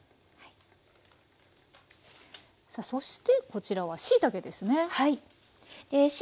さあそしてこちらはしいたけですね。